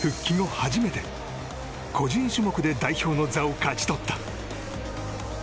初めて個人種目で代表を勝ち取った。